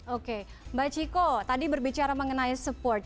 oke mbak chiko tadi berbicara mengenai support